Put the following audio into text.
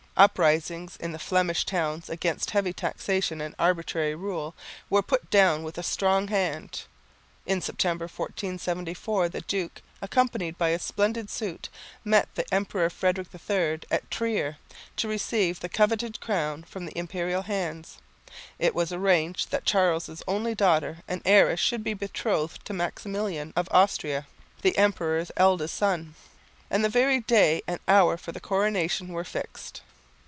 Uprisings in the Flemish towns against heavy taxation and arbitrary rule were put down with a strong hand. In September, 1474, the duke, accompanied by a splendid suite, met the emperor Frederick III at Trier to receive the coveted crown from the imperial hands. It was arranged that Charles' only daughter and heiress should be betrothed to Maximilian of Austria, the emperor's eldest son, and the very day and hour for the coronation were fixed.